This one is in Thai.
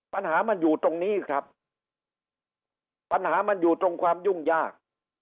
ปัญหามันอยู่ตรงนี้ครับปัญหามันอยู่ตรงความยุ่งยาก